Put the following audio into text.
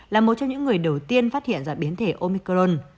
là một trong những người đầu tiên phát hiện ra biến thể omicron